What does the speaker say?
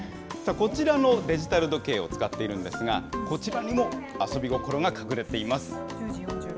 こちらのデジタル時計を使っているんですが、こちらにも遊び心が隠れています。